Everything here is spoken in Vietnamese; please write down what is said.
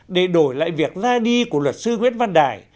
để đổi lại việc ra đi của luật sư nguyễn văn đài